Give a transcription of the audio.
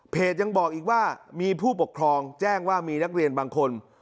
ยังบอกอีกว่ามีผู้ปกครองแจ้งว่ามีนักเรียนบางคน